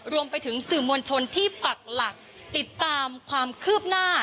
รวมไปถึงสื่อมวลชนที่ปักหลักติดตามความคืบหน้า